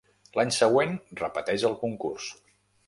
L’any següent repeteix el concurs.